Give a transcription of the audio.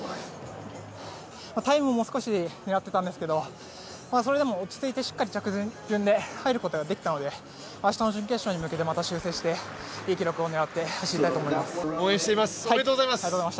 タイムも少し狙ってたんですけど、それでも落ち着いてしっかり着順で入ることができたので、明日の準決勝に向けてまた調整して男子１１０ｍハードルの予選の第４組。